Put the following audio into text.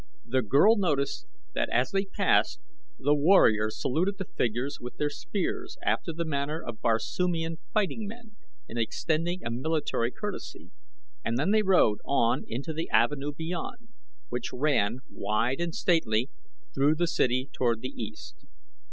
The girl noticed that as they passed, the warriors saluted the figures with their spears after the manner of Barsoomian fighting men in extending a military courtesy, and then they rode on into the avenue beyond, which ran, wide and stately, through the city toward the east.